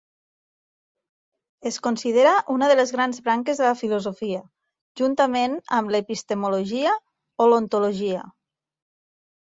Es considera una de les grans branques de la filosofia, juntament amb l'epistemologia o l'ontologia.